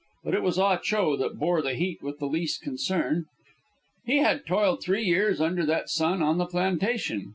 But it was Ah Cho that bore the heat with the least concern. He had toiled three years under that sun on the plantation.